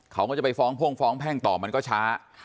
เขาก็จะไปฟ้องพ่งฟ้องแพ่งต่อมันก็ช้า